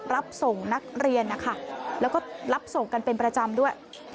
รับส่งนักเรียนนะคะแล้วก็รับส่งกันเป็นประจำด้วย